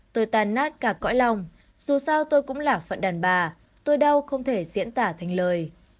tôi tàn nát cả cõi lòng dù sao tôi cũng là phận đàn bà tôi đau không thể diễn tả thành lời